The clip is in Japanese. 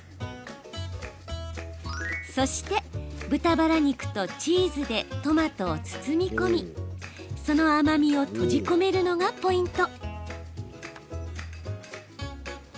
そして、豚バラ肉とチーズでトマトを包み込みその甘みを閉じ込めるのがポイント。